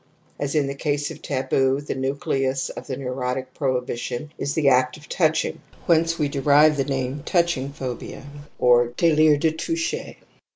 ^As in the case of taboo the nucleus of J:he neu rotic prohibition is the act of touching, Vhence we derive the name * touching phobia ' or d^lire de toucher.